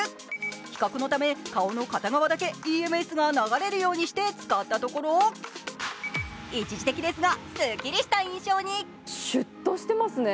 比較のため顔の片側だけＥＭＳが流れるようにして使ったところ一時的ですが、すっきりした印象にシュッとしてますね。